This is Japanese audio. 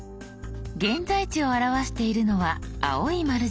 「現在地」を表しているのは青い丸印。